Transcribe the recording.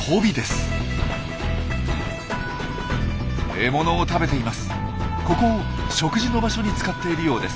獲物を食べています。